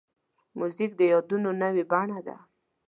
موزیک د یادونو نوې بڼه ده.